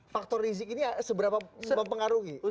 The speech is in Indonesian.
faktor rizik ini seberapa mempengaruhi